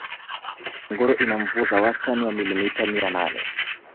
Wilaya Ngorongoro ina mvua za wastani wa milimita mia nane